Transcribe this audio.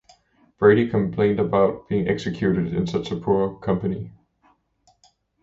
Brady complained about being executed in such poor company.